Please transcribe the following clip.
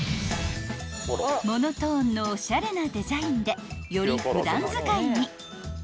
［モノトーンのおしゃれなデザインでより普段使いに］